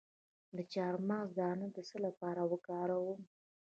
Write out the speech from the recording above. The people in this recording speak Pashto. د چارمغز دانه د څه لپاره وکاروم؟